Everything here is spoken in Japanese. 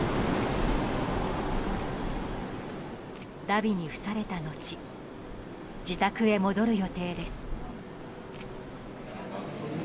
だびに付された後自宅へ戻る予定です。